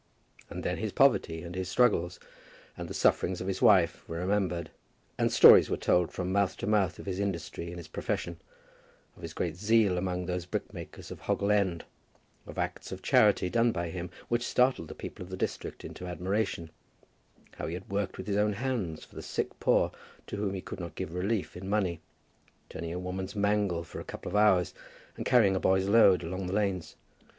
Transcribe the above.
And then his poverty, and his struggles, and the sufferings of his wife, were remembered; and stories were told from mouth to mouth of his industry in his profession, of his great zeal among those brickmakers of Hoggle End, of acts of charity done by him which startled the people of the district into admiration; how he had worked with his own hands for the sick poor to whom he could not give relief in money, turning a woman's mangle for a couple of hours, and carrying a boy's load along the lanes.